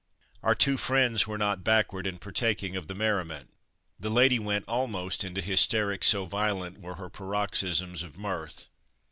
Our two friends were not backward in partaking of the merriment. The lady went almost into hysterics, so violent were her paroxysms of mirth.